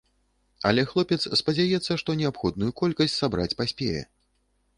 Але хлопец спадзяецца, што неабходную колькасць сабраць паспее.